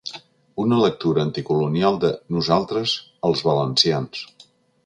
Una lectura anticolonial de ‘Nosaltres, els valencians’